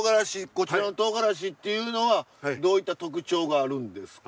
こちらのとうがらしっていうのはどういった特徴があるんですか？